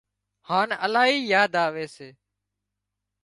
هانَ الاهي ياد آوي سي